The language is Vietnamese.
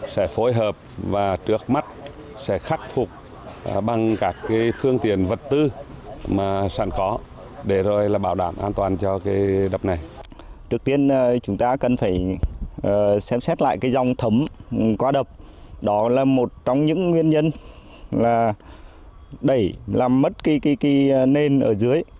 xem xét lại cái dòng thấm qua đập đó là một trong những nguyên nhân là đẩy làm mất cái nền ở dưới